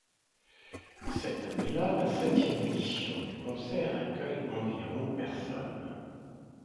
Cette année là, la septième édition du concert accueille environ personnes.